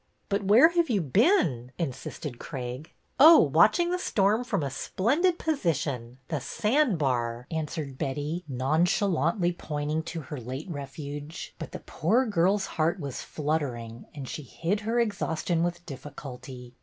" But where have you been ?" insisted Craig. " Oh, watching the storm from a splendid posi tion, the sandbar," answered Betty, nonchalantly pointing to her late refuge; but the poor girl's heart was fluttering and she hid her exhaustion with difficulty.